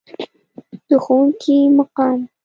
د ښوونکي مقام.